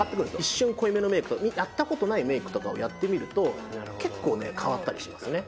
一瞬濃いめのメイクやったことないメイクとかをやってみると結構変わったりしますね